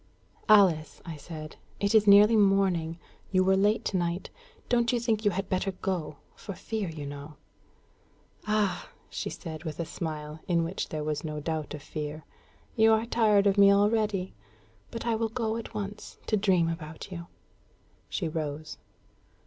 "Alice," I said, "it is nearly morning. You were late to night. Don't you think you had better go for fear, you know?" "Ah!" she said, with a smile, in which there was no doubt of fear, "you are tired of me already! But I will go at once to dream about you." She rose.